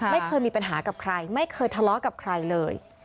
ไม่เคยมีปัญหากับใครไม่เคยทะเลาะกับใครเลย